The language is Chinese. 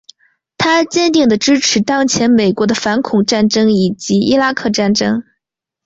他坚定的支持当前美国的反恐战争以及伊拉克战争。